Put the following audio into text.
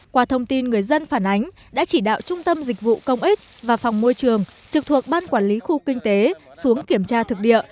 qua thông tin người dân phản ánh đã chỉ đạo trung tâm dịch vụ công ích và phòng môi trường trực thuộc ban quản lý khu kinh tế xuống kiểm tra thực địa